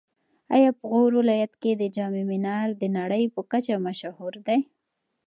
ایا په غور ولایت کې د جام منار د نړۍ په کچه مشهور دی؟